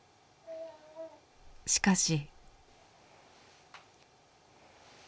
しかし。